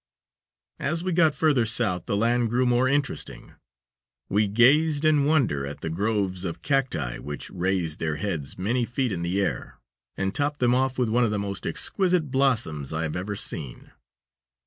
As we got further South the land grew more interesting. We gazed in wonder at the groves of cacti which raised their heads many feet in the air, and topped them off with one of the most exquisite blossoms I have ever seen.